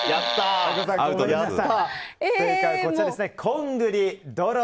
こんぐりどろ。